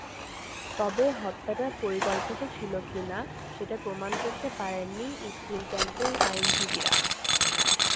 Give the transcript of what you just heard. তবে হত্যাটা পরিকল্পিত ছিল কিনা, সেটা প্রমাণ করতে পারেননি স্টিনক্যাম্পের আইনজীবীরা।